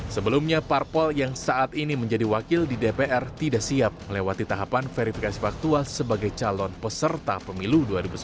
sebelumnya parpol yang saat ini menjadi wakil di dpr tidak siap melewati tahapan verifikasi faktual sebagai calon peserta pemilu dua ribu sembilan belas